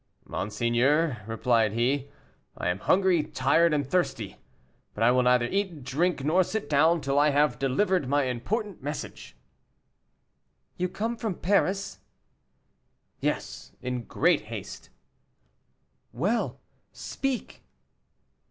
"Monseigneur," replied he, "I am hungry, tired, and thirsty; but I will neither eat, drink, nor sit down till I have delivered my important message." "You come from Paris?" "Yes, in great haste." "Well, speak."